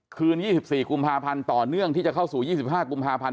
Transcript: การต่อเนื่องที่จะเข้าสู่๒๕กุมภาพันธ์